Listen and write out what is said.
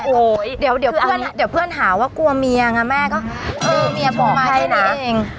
โอ้ยเดี๋ยวเดี๋ยวเพื่อนเดี๋ยวเพื่อนหาว่ากลัวเมียไงแม่ก็เออเมียบอกให้เมียเอง